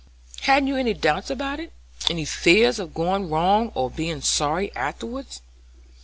"Hadn't you any doubts about it, any fears of going wrong or being sorry afterwards?"